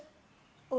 untuk menjaga kesehatan